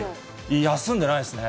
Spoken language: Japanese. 休んでないですね。